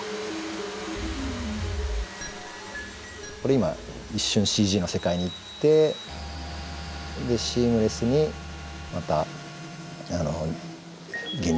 これ今一瞬ＣＧの世界に行ってでシームレスにまた現実の世界に戻るっていう感じですけど。